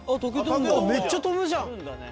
めっちゃ飛ぶじゃん！